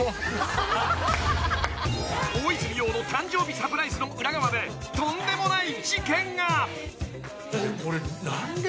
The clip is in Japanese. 大泉洋の誕生日サプライズの裏側でとんでもない事件が。